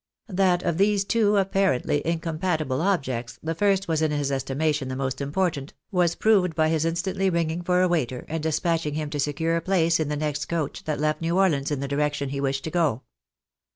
That of these two apparently incompatible :3bjects, the first was in his estimation the most important, was proved by his instantly ringing for a waiter, and despatching him to secure a place in the next coach that left New Orleans in the direction he wished to go.